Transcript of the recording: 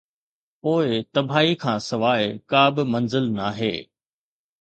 پوءِ تباهي کان سواءِ ڪا به منزل ناهي.